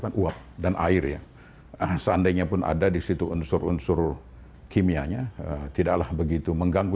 kan uap dan air ya seandainya pun ada di situ unsur unsur kimianya tidaklah begitu mengganggu